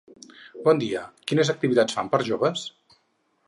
Bon dia, quines activitats fan per joves?